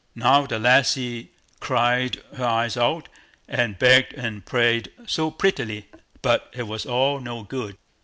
Now the lassie cried her eyes out, and begged and prayed so prettily; but it was all no good.